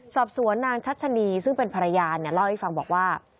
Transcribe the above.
สอบสวนนางชัชนีซึ่งเป็นภรรยาเนี่ยเล่าให้ฟังบอกว่า